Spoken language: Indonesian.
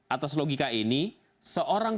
atas logika ini seorang